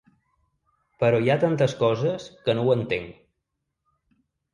Però hi ha tantes coses que no ho entenc.